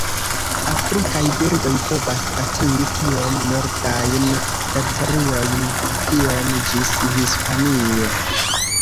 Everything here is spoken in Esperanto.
Afrikaj birdoj povas atingi tiom nordajn teritoriojn kiom ĝis Hispanio.